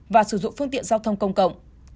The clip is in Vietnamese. và sử dụng phương tiện giao thông công cộng